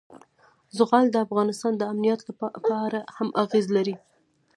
زغال د افغانستان د امنیت په اړه هم اغېز لري.